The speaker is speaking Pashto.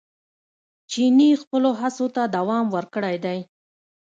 چیني خپلو هڅو ته دوام ورکړی دی.